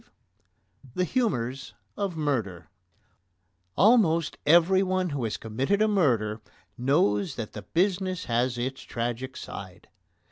V THE HUMOURS OF MURDER Almost everyone who has committed a murder knows that the business has its tragic side.